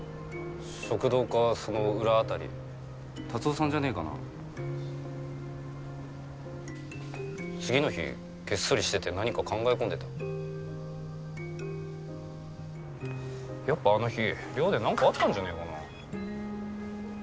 食堂かその裏辺り達雄さんじゃねえかな次の日ゲッソリしてて何か考え込んでたやっぱあの日寮で何かあったんじゃねえかな？